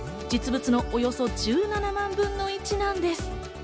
実物のおよそ１７万分の１なんです。